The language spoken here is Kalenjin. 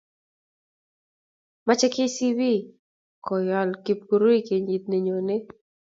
Mache kcb koyal kipkirui kenyit nenyone